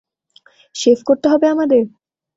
Shave করতে হবে আমাদের?